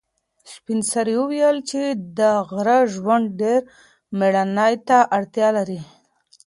سپین سرې وویل چې د غره ژوند ډېر مېړانې ته اړتیا لري.